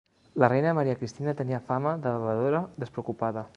La reina Maria Cristina tenia fama de bevedora despreocupada.